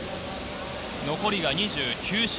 残りが２９周。